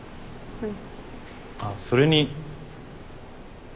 うん。